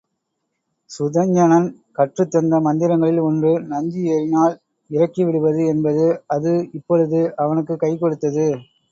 சுதஞ்சணன் கற்றுத் தந்த மந்திரங்களில் ஒன்று நஞ்சு ஏறினால் இறக்கிவிடுவது என்பது அது இப்பொழுது அவனுக்குக் கை கொடுத்தது.